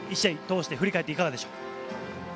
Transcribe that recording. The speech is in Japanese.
１試合通して振り返っていかがでしょう？